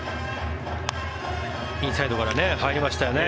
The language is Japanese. インサイドから入りましたよね。